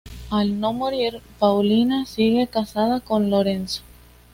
Al no morir, Paulina sigue casada con Lorenzo.